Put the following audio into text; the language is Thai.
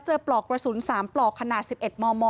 ปลอกกระสุน๓ปลอกขนาด๑๑มม